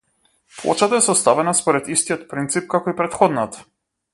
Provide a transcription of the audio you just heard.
Плочата е составена според истиот принцип како и претходната.